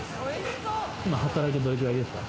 今働いてどれくらいですか？